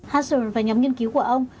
hasser và nhóm nghiên cứu của ông